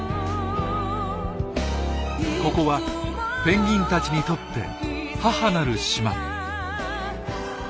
ここはペンギンたちにとって母なる島。